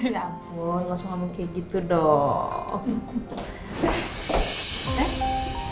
ya ampun langsung kamu kayak gitu dong